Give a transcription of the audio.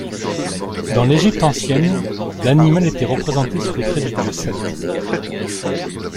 Dans l'Égypte ancienne, l'animal était représenté sous les traits du dieu Seth.